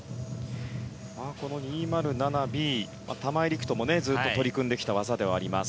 この２０７Ｂは玉井陸斗もずっと取り組んできた技であります。